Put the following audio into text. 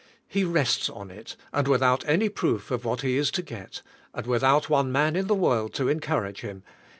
He rests on it, and without any proof of what he is to get, and without one man in the world to encourage him.